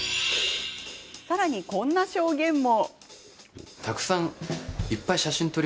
さらに、こんな証言も。